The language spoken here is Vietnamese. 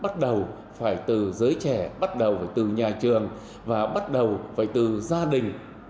bắt đầu phải từ giới trẻ bắt đầu phải từ nhà trường và bắt đầu phải từ gia đình